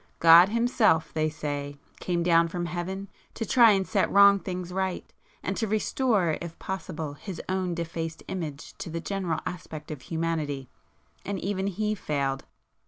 God Himself, they say, came down from Heaven to try and set wrong things right, and to restore if possible His own defaced image to the general aspect of humanity,—and even He failed."